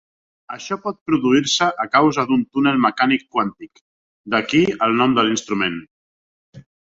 Això pot produir-se a causa d'un túnel mecànic quàntic, d'aquí el nom de l'instrument.